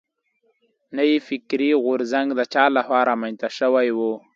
نوی فکري غورځنګ د چا له خوا را منځ ته شوی و.